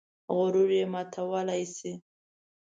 غرور یې ماتولی شي.